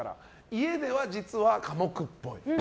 家では実は寡黙っぽい。